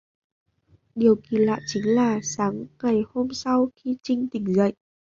Điều kỳ lạ chính là sáng ngày hôm sau khi trinh tỉnh dậy